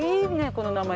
この名前